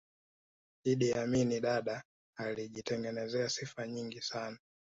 iddi amini dadaa alijitengezea sifa nyingi sana